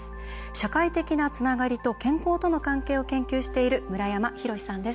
社会的なつながりと健康との関係を研究している村山洋史さんです。